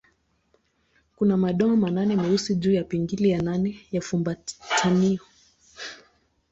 Kuna madoa manne meusi juu ya pingili ya nane ya fumbatio.